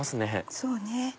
そうね。